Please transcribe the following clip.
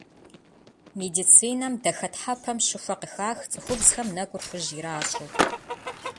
Медицинэм дахэтхьэпэм щыхуэ къыхах цӏыхубзхэм нэкӏур хужь иращӏыу.